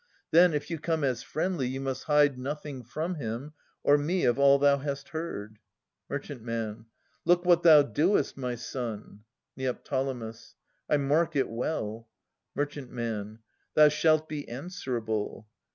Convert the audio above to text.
Then, if you come as friendly, you must hide Nothing from him or me of all thou hast heard. Mer. Look what thou doest, my son ! Neo. I mark it well. Mer. Thou shalt be answerable.